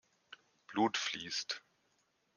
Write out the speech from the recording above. Blut fließt.